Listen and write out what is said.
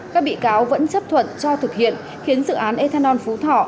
các bị cáo vẫn chấp thuận cho thực hiện khiến dự án ethanol phú thọ